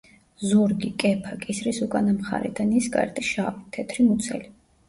ზურგი, კეფა, კისრის უკანა მხარე და ნისკარტი შავი, თეთრი მუცელი.